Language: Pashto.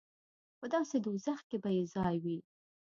په داسې دوزخ کې به یې ځای وي.